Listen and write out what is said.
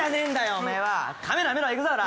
お前はカメラ見ろいくぞほら！